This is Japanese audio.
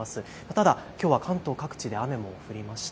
ただきょうは関東各地で雨が降りました。